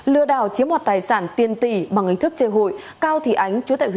lừa đảo chiếm hoạt tài sản tiên tỷ bằng ảnh thức chơi hội